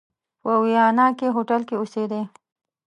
په ویانا کې هوټل کې اوسېدی.